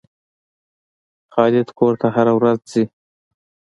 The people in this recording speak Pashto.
خالد کور ته هره ورځ ځي.